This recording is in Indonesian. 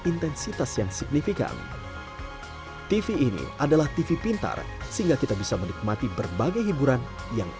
intensitas yang signifikan tv ini adalah tv pintar sehingga kita bisa menikmati berbagai hiburan yang